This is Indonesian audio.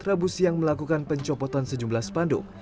rabu siang melakukan pencopotan sejumlah spanduk